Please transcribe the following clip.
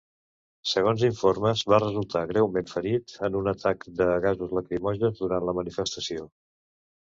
Segons informes, va resultar greument ferit en un atac de gasos lacrimògens durant la manifestació.